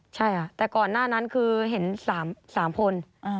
ใช่ค่ะแต่ก่อนหน้านั้นคือเห็น๓คน